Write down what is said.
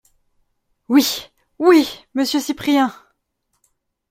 Oui !… oui !… monsieur Cyprien !